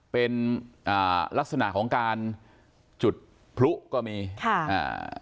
เป็นอ่าลักษณะของการจุดพลุก็มีค่ะอ่า